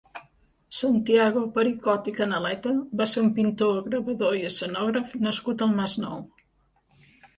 Santiago Pericot i Canaleta va ser un pintor, gravador i escenògraf nascut al Masnou.